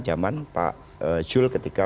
zaman pak jul ketika